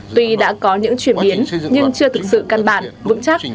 tuy đã có những chuyển biến nhưng chưa thực sự căn bản vững chắc